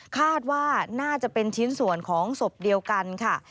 คาดว่าน่าจะเป็นชิ้นส่วนของศพเดียวกันค่ะ